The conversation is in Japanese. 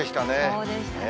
そうでしたね。